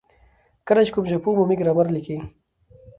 کله چي کوم ژبپوه عمومي ګرامر ليکي،